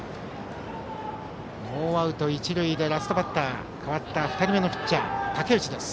ノーアウト一塁でラストバッター代わった２人目のピッチャー武内です。